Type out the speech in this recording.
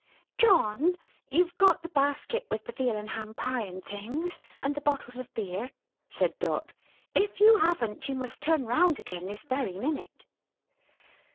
"John? You've got the basket with the Veal and Ham Pie and things; and the bottles of Beer?" said Dot. "If you haven't, you must turn round again, this very minute."